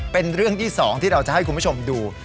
เป็นเรื่องที่๒ที่เราจะให้คุณผู้ชมดู